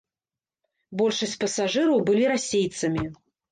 Большасць пасажыраў былі расейцамі.